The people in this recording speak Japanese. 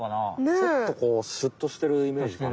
ちょっとこうシュッとしてるイメージかな？